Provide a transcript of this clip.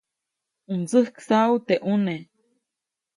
ʼU mtsäjksaʼu teʼ ʼuneʼ.